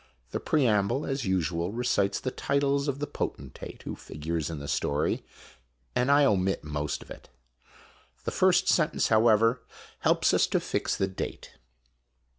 The preamble, as usual, recites the titles of the poten tate who figures in the story, and I omit most of it. The first sen tence, however, helps us to fix the date.